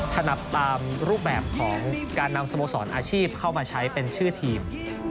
ถนับตามรูปแบบของการนำสโมสรอาชีพเข้ามาใช้เป็นชื่อทีม